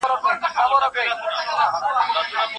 هغه اوس زما د لیکنو تصحیح کوي.